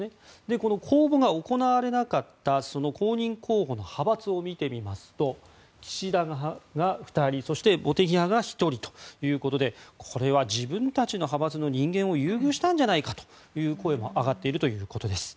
この公募が行われなかった公認候補の派閥を見てみますと岸田派が２人そして茂木派が１人ということでこれは自分たちの派閥の人間を優遇したんじゃないかという声も上がっているということです。